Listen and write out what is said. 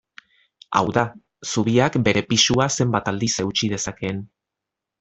Hau da, zubiak bere pisua zenbat aldiz eutsi dezakeen.